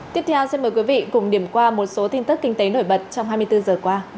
tiếp theo xin mời quý vị cùng điểm qua một số tin tức kinh tế nổi bật trong hai mươi bốn giờ qua